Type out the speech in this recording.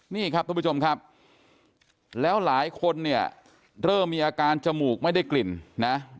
นี่ครับทุกผู้ชมครับแล้วหลายคนเนี่ยเริ่มมีอาการจมูกไม่ได้กลิ่นนะ